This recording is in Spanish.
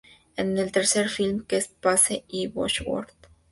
Este es el tercer film que Spacey y Bosworth protagonizan juntos.